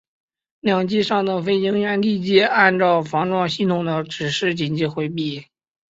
两机上的飞行员立即按照防撞系统的指示紧急回避。